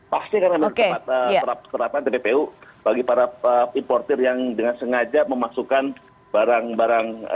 pasti karena memang terapan tppu bagi para importer yang dengan sengaja memasukkan barang barang